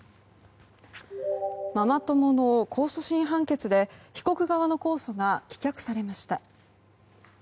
ママ友の控訴審判決で被告側の控訴が棄却されました。